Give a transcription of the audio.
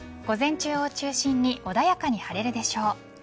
午前中を中心に穏やかに晴れるでしょう。